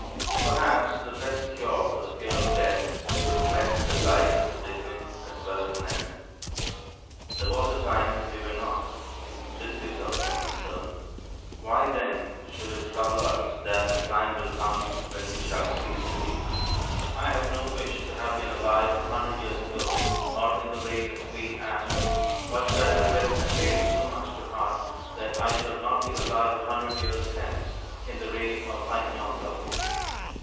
Perhaps the best cure for the fear of death is to reflect that life has a beginning as well as an end. There was a time when we were not: this gives us no concern why, then, should it trouble us that a time will come when we shall cease to be? I have no wish to have been alive a hundred years ago, or in the reign of Queen Anne: why should I regret and lay it so much to heart that I shall not be alive a hundred years hence, in the reign of I cannot tell whom?